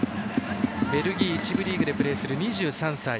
ベルギー１部リーグでプレーする２３歳。